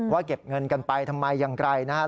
ว่าเก็บเงินกันไปทำไมอย่างไรนะครับ